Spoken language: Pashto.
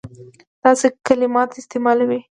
داسي کلمات استعمالوي.